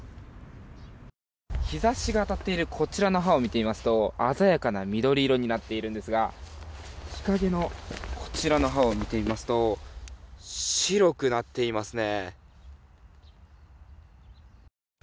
日差しが当たっているこちらの葉を見てみますと鮮やかな緑色になっているんですが日陰のこちらの葉を見てみますと白くなっていますね。